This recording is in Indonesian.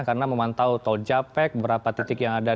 karena memantau tol jahpek berapa titik yang ada